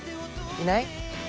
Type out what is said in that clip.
いない？